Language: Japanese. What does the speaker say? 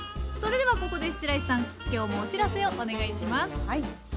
それではここでしらいさん今日もお知らせをお願いします。